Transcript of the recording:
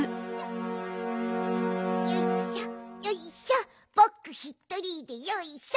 よいしょよいしょぼくひとりでよいしょ！